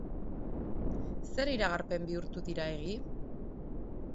Zer iragarpen bihurtu dira egi?